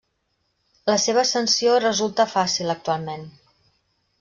La seva ascensió resulta fàcil actualment.